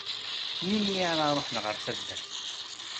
Melmi ara ruḥen ɣer taddart?